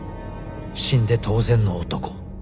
死んで当然の男